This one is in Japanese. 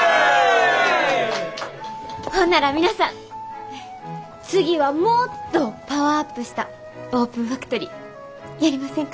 ほんなら皆さん次はもっとパワーアップしたオープンファクトリーやりませんか？